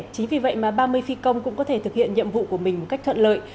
chính vì vậy mà ba mươi phi công cũng có thể thực hiện nhiệm vụ của mình một cách thuận lợi